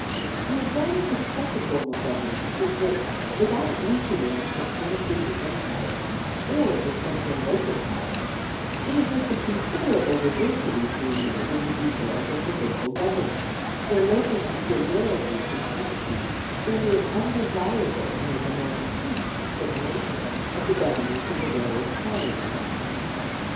The advantage of such a form of government is that, without weakening the supremacy of the empire or of the central local power, it admits of considerable diversities being made in the details of provincial government, where local peculiarities and antecedents render it undesirable to make a more complete assimilation of the Governments of the various provinces.